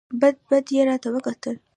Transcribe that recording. بد بد یې راته وکتل !